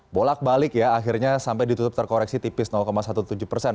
bolak balik ya akhirnya sampai ditutup terkoreksi tipis tujuh belas persen